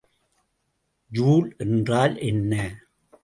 Joule என்றால் என்ன?